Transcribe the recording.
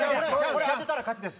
これ当てたら勝ちです。